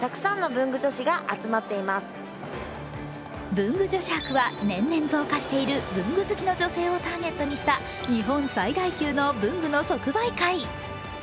文具女子博は年々増加している文具好きの女性をターゲットにした日本最大級の文具の即売会。